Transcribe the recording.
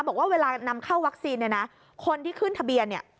บอกว่าเวลานำเข้าวัคซีนเนี่ยนะคนที่ขึ้นทะเบียนเนี่ย